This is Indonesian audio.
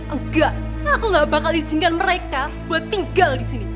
enggak aku gak bakal izinkan mereka buat tinggal di sini